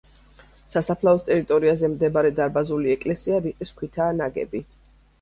სასაფლაოს ტერიტორიაზე მდებარე დარბაზული ეკლესია რიყის ქვითაა ნაგები.